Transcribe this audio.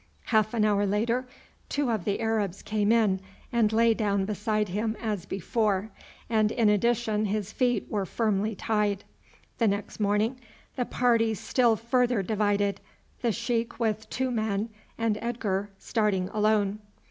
Half an hour later two of the Arabs came in, and lay down beside him as before, and in addition his feet were firmly tied. The next morning the party still further divided, the sheik with two men and Edgar starting alone.